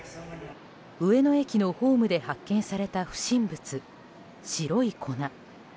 上野駅のホームで発見された不審物、白い粉。